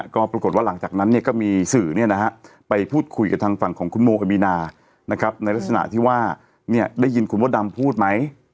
ก็ปรากฏว่าหลังจากนั้นก็มีสื่อไปพูดคุยกับทางฝั่งของคุณโมอามีนาในลักษณะที่ว่าได้ยินคุณมดดำพูดไหม